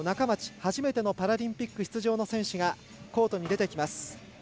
初めてのパラリンピック出場の選手がコートに出てきます。